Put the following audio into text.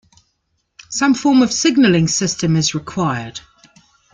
Some form of signalling system is required.